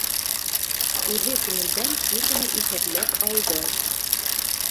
— Үҙе күңелдән тиҙ генә иҫәпләп алды.